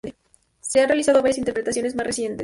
Se han realizado varias interpretaciones más recientes.